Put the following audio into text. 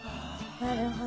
なるほど。